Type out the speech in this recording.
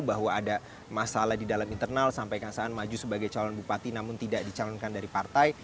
bahwa ada masalah di dalam internal sampai kang saan maju sebagai calon bupati namun tidak dicalonkan dari partai